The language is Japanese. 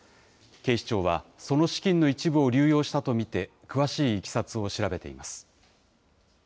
警視庁は、その資金の一部を流用したと見て、詳しいいきさつを調べています。